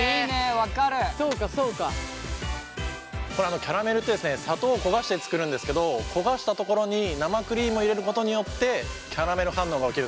キャラメルって砂糖を焦がして作るんですけど焦がしたところに生クリームを入れることによってキャラメル反応が起きるんですよ。